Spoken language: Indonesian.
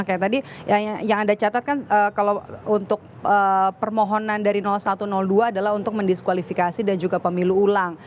kayak tadi yang anda catat kan kalau untuk permohonan dari satu dua adalah untuk mendiskualifikasi dan juga pemilu ulang